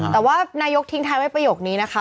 แต่ว่านายกทิ้งท้ายไว้ประโยคนี้นะคะ